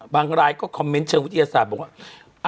รายก็คอมเมนต์เชิงวิทยาศาสตร์บอกว่า